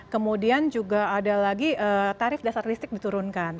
kemudian juga ada lagi tarif dasar listrik diturunkan